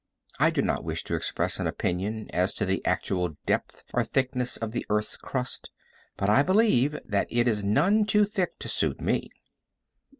I do not wish to express an opinion as to the actual depth or thickness of the earth's crust, but I believe that it is none too thick to suit me.